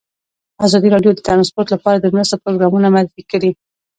ازادي راډیو د ترانسپورټ لپاره د مرستو پروګرامونه معرفي کړي.